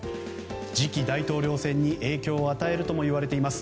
次期大統領選に影響を与えるともいわれています。